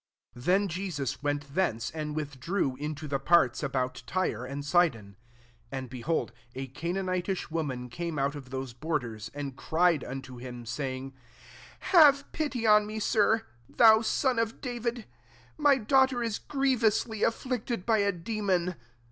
21 Then Jesus went thence, and withdrew into the parts about Tyre and Sidon. 22 And, behold, a Canaanitish woman* came out of those borders, and cried unto him, saying, <* Have pity on roe Sir, thou son of Da 48 MATTHEW XVI. yid : my daughter is grievously afflicted by a demon."